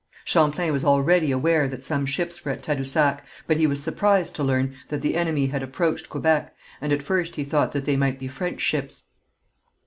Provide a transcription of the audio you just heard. Champlain was already aware that some ships were at Tadousac, but he was surprised to learn that the enemy had approached Quebec, and at first he thought that they might be French ships.